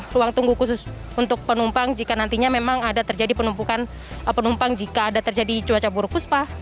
ruang tunggu khusus untuk penumpang jika nantinya memang ada terjadi penumpukan penumpang jika ada terjadi cuaca buruk puspa